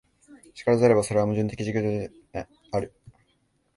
然らざれば、それは矛盾的自己同一的世界ではないのである。